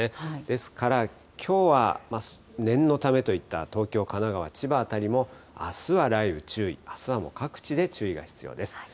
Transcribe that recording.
ですから、きょうは念のためといった、東京、神奈川、千葉辺りもあすは雷雨注意、あすはもう各地で注意が必要です。